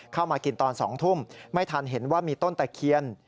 มากินตอน๒ทุ่มไม่ทันเห็นว่ามีต้นตะเคียน